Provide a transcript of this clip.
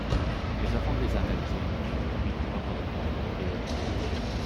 Mais avant de les analyser, on les recombine pour avoir de grandes coupes réelles.